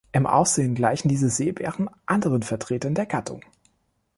Im Aussehen gleichen diese Seebären anderen Vertretern der Gattung.